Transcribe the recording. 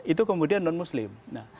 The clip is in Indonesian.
itu kemudian non muslim